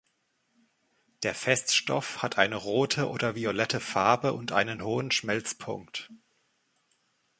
Der Feststoff hat eine rote oder violette Farbe und einen hohen Schmelzpunkt.